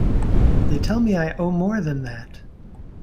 They tell me I owe more than that.